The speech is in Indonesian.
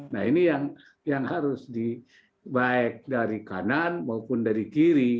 nah ini yang harus di baik dari kanan maupun dari kiri